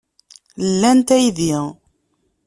Lant aydi.